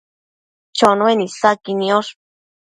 Chonuen isaqui niosh